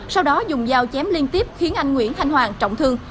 sau đó dùng dao chém liên tiếp khiến anh nguyễn thanh hoàng trọng thương